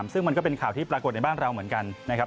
ซึ่งมันก็เป็นข่าวที่ปรากฏในบ้านเราเหมือนกันนะครับ